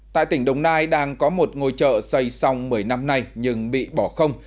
tại tỉnh đồng nai đang có một ngôi chợ xây xong một mươi năm nay nhưng bị bỏ không